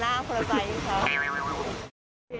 ห่างหน้าเขาก็หน้าคนละใกครับ